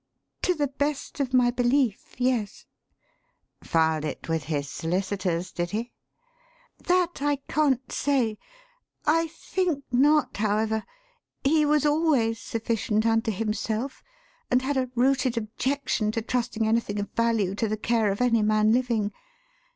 "To the best of my belief yes." "Filed it with his solicitors, did he?" "That I can't say. I think not, however. He was always sufficient unto himself, and had a rooted objection to trusting anything of value to the care of any man living.